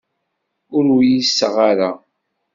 Ur uyiseɣ ara.